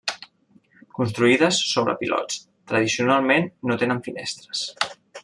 Construïdes sobre pilots, tradicionalment no tenen finestres.